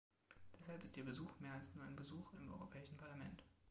Deshalb ist Ihr Besuch mehr als nur ein Besuch im Europäischen Parlament.